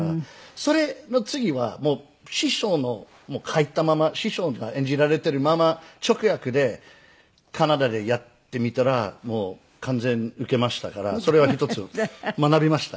それの次は師匠の書いたまま師匠が演じられているまま直訳でカナダでやってみたらもう完全ウケましたからそれは一つ学びました。